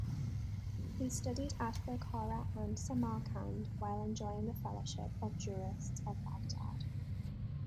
He studied at Bukhara and Samarkand while enjoying the fellowship of jurists of Baghdad.